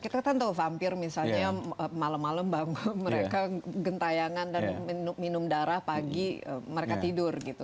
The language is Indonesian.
kita kan tahu vampir misalnya malam malam bangun mereka gentayangan dan minum darah pagi mereka tidur gitu